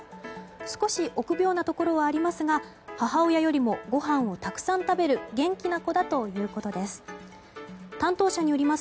少し臆病なところはありますが母親よりもごはんをたくさん食べる元気な子だということです。